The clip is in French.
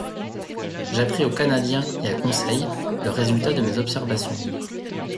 J'appris au Canadien et à Conseil le résultat de mes observations.